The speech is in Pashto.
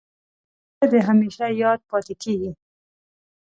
مړه د همېشه یاد پاتېږي